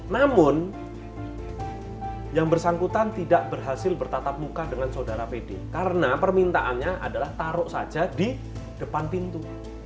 namun yang bersangkutan tidak berhasil bertatap muka dengan saudara pd karena permintaannya adalah taruh saja di depan pintu